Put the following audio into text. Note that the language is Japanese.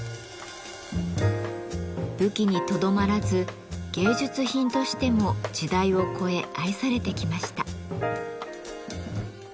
武器にとどまらず芸術品としても時代を越え愛されてきました。